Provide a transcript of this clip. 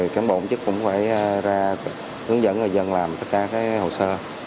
cán bộ công chức cũng phải ra hướng dẫn người dân làm tất cả hồ sơ